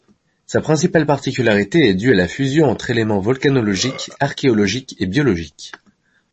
Sa principale particularité est due à la fusion entre éléments volcanologiques, archéologiques et biologiques.